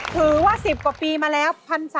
ถือว่า๑๐กว่าปีมาแล้ว